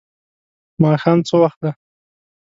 ماښام څه وخت دی؟